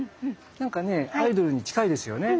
何かねアイドルに近いですよね。